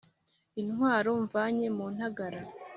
intwaro mvanye mu ntagara